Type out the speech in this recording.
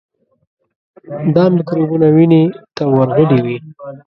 دا میکروبونه وینې ته ورغلي وي.